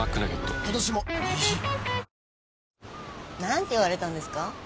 何て言われたんですか？